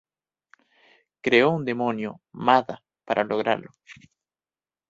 Creó un demonio, Mada, para lograrlo.